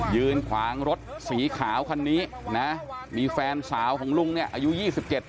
ยืนขวางรถสีขาวคันนี้นะมีแฟนสาวของลุงเนี่ยอายุยี่สิบเจ็ด